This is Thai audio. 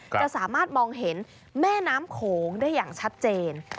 จะสามารถมองเห็นแม่น้ำโขงได้อย่างชัดเจน